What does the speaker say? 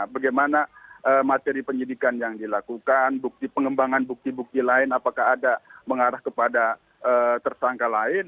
bagaimana materi penyidikan yang dilakukan bukti pengembangan bukti bukti lain apakah ada mengarah kepada tersangka lain